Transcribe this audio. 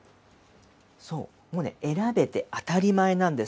もう選べて当たり前なんです。